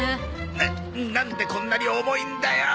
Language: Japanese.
ななんでこんなに重いんだよ！